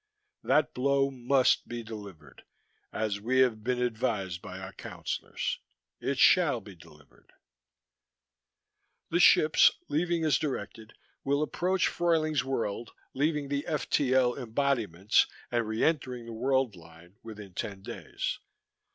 That blow must be delivered, as We have been advised by Our Councillors. It shall be delivered. The ships, leaving as directed, will approach Fruyling's World, leaving the FTL embodiments and re entering the world line, within ten days.